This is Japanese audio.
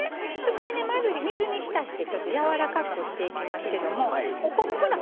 これねまず水に浸してちょっとやわらかくしていきますけどもお昆布ほら